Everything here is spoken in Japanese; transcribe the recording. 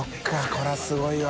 これはすごいわ。